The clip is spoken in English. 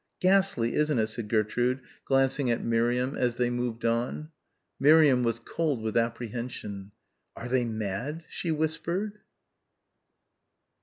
"Ghastly, isn't it?" said Gertrude, glancing at Miriam as they moved on. Miriam was cold with apprehension. "Are they mad?" she whispered.